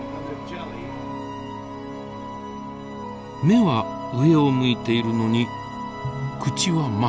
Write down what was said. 目は上を向いているのに口は前。